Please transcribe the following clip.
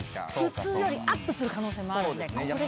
普通よりアップする可能性もあるんでこれが見もの。